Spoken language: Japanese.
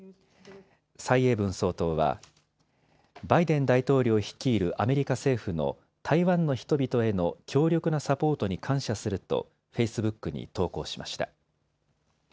蔡英文総統はバイデン大統領率いるアメリカ政府の台湾の人々への強力なサポートに感謝するとフェイスブックに投稿しました。